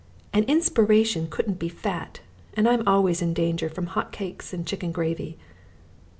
An inspiration couldn't be fat, and I'm always in danger from hot cakes and chicken gravy.